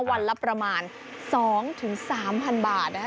วันละประมาณ๒๓๐๐๐บาทนะคะ